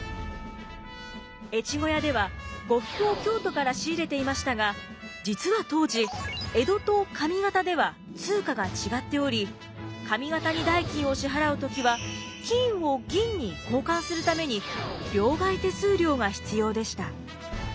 越後屋では呉服を京都から仕入れていましたが実は当時江戸と上方では通貨が違っており上方に代金を支払う時は金を銀に交換するために両替手数料が必要でした。